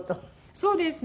そうですね。